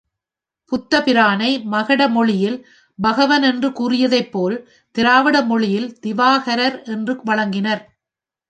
புத்தபிரானை மகட மொழியில் பகவனென்று கூறியதைப்போல் திராவிட மொழியில் திவாகரர் என்று வழங்கினர்.